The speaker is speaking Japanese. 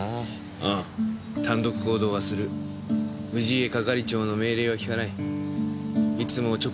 ああ単独行動はする氏家係長の命令は聞かないいつも直感で動く。